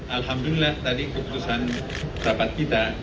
alhamdulillah tadi keputusan rapat kita